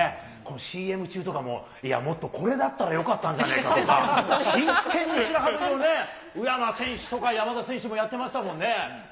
ＣＭ中とかも、いや、もっとこれだったらよかったんじゃねえかとか、真剣に白刃取りをね、宇山選手とか山田選手もやってましたもんね。